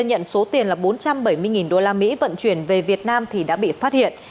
nhận số tiền là bốn trăm bảy mươi usd vận chuyển về việt nam thì đã bị phát hiện